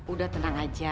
udah tenang aja